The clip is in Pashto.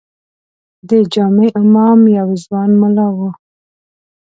د جامع امام یو ځوان ملا و.